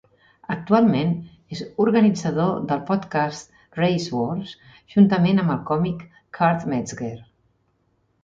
Actualment, és organitzador del podcast "Race Wars" juntament amb el còmic Kurt Metzger.